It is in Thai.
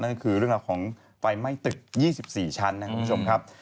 นั่นคือเรื่องของไฟไม้ตึก๒๔ชั้นของผู้ชมครับ